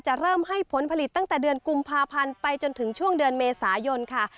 เริ่มให้ผลผลิตตั้งแต่เดือนกุมภาพันธ์ไปจนถึงช่วงเดือนเมษายนค่ะ